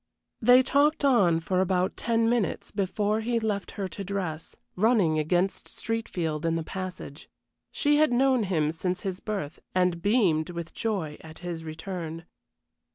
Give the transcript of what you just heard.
They talked on for about ten minutes before he left her to dress, running against Streatfield in the passage. She had known him since his birth, and beamed with joy at his return.